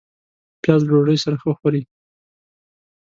پیاز له ډوډۍ سره ښه خوري